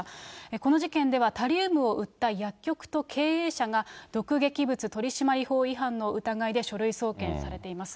この事件ではタリウムを売った薬局と経営者が毒劇物取締法違反の疑いで書類送検されています。